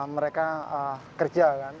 mereka kerja kan